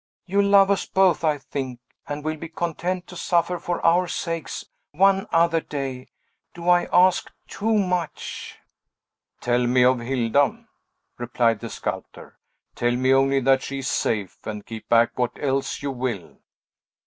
"You love us both, I think, and will be content to suffer for our sakes, one other day. Do I ask too much?" "Tell me of Hilda," replied the sculptor; "tell me only that she is safe, and keep back what else you will."